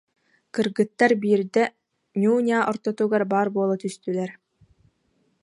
Кыргыттар биирдэ ньуу-ньаа ортотугар баар буола түстүлэр